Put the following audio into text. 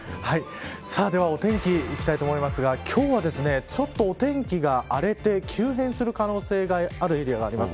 ではお天気いきたいと思いますが今日はちょっとお天気が荒れて急変する可能性があるエリアがあります。